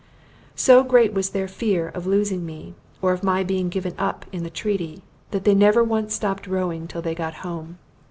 So great was their fear of losing me, or of my being given up in the treaty, that they never once stopped rowing till they got home.